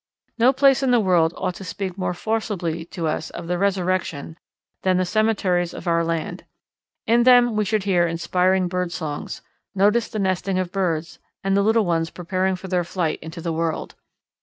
No place in the world ought to speak more forcibly to us of the Resurrection than the cemeteries of our land. In them we should hear inspiring bird songs, notice the nesting of birds, and the little ones preparing for their flight into the world.